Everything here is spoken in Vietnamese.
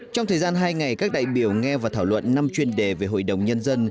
trong thời gian hai ngày các đại biểu nghe và thảo luận năm chuyên đề về hội đồng nhân dân